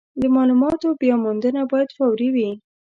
د مالوماتو بیاموندنه باید فوري وي.